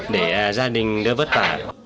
để gia đình đỡ vất vả